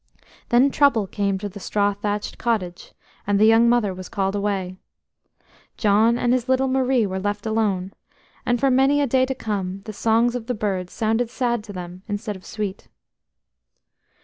Then trouble came to the straw thatched cottage, and the young mother was called away. John and his little Marie were left alone, and for many a day to come the songs of the birds sounded sad to them instead of sweet.